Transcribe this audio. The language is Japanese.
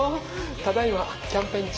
ただいまキャンペーン中。